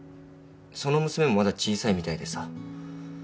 その娘もまだ小さいみたいでさ。